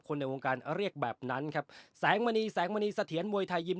ในวงการเรียกแบบนั้นครับแสงมณีแสงมณีเสถียรมวยไทยยิม